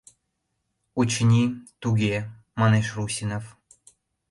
— Очыни, туге, — манеш Русинов.